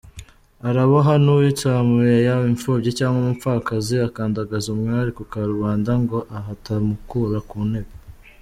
Araboha n’uwitsamuye yaba imfubyi cyangwa umupfakazi akandagaza umwari kukarubanda ngo aha atamukura kuntebe;